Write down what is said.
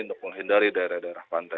untuk menghindari daerah daerah pantai